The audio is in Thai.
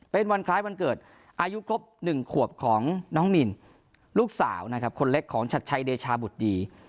เป็นวันคล้ายวันเกิดอายุครบ๑ขวบของน้องมินลูกสาวนะครับคนเล็กของชัดชัยเดชาบุตรดี